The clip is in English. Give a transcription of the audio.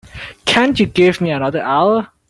Can't you give me another hour?